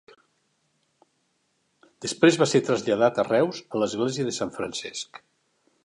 Després va ser traslladat a Reus, a l'església de Sant Francesc.